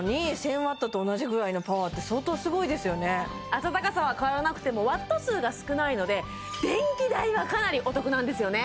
全然こんなにあたたかさは変わらなくてもワット数が少ないので電気代がかなりお得なんですよね・